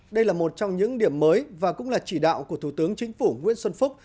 đây là một trong những điểm mới và cũng là chỉ đạo của thủ tướng chính phủ nguyễn xuân phúc